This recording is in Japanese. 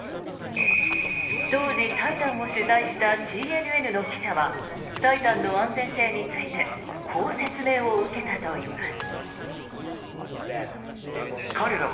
当時、「タイタン」を取材したＣＮＮの記者は「タイタン」の安全性についてこう説明を受けたといいます。